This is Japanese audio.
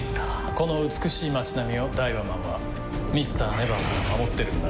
この美しい街並みをダイワマンはＭｒ．ＮＥＶＥＲから守ってるんだ。